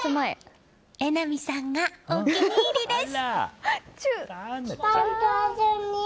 榎並さんがお気に入りです。